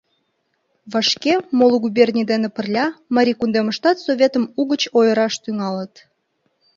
Вашке моло губерний дене пырля Марий кундемыштат Советым угыч ойыраш тӱҥалыт.